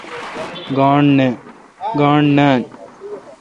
گاݨڈ نان۔